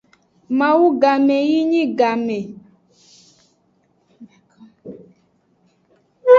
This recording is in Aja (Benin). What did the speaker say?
Mawu game yi nyi game.